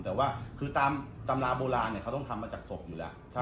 แต่ว่าคือตามราบูลานเขาต้องทำมาจากศพอยู่แหละ